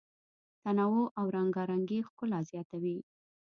تنوع او رنګارنګي ښکلا زیاتوي.